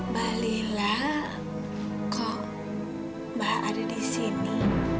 ba li la kok mbah ada di sini